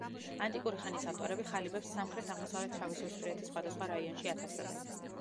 ანტიკური ხანის ავტორები ხალიბებს სამხრეთ-აღმოსავლეთ შავიზღვისპირეთის სხვადასხვა რაიონში ათავსებენ.